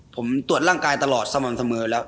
ผมตรวจร่างกายตลอดสม่ำเสมอแล้ว